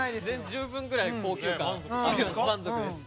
十分ぐらい高級感満足です。